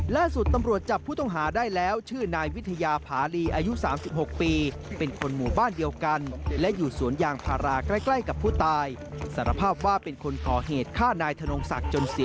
ล่าสุดตำรวจจับผู้ต้องหาได้แล้วชื่อนายวิทยาภาลีอายุ๓๖ปีเป็นคนหมู่บ้านเดียวกันและอยู่สวนยางพาราใกล้กับผู้ตายสารภาพว่าเป็นคนก่อเหตุฆ่านายธนงศักดิ์จนเสีย